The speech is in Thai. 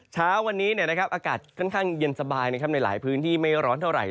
เช้าวันนี้อากาศค่อนข้างเย็นสบายในหลายพื้นที่ไม่ร้อนเท่าไหร